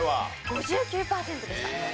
５９パーセントでした。